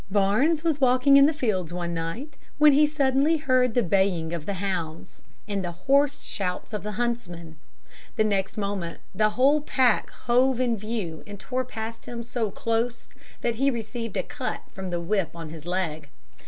Barnes was walking in the fields one night, when he suddenly heard the baying of the hounds, and the hoarse shouts of the huntsman. The next moment the whole pack hove in view and tore past him so close that he received a cut from "the whip" on his leg.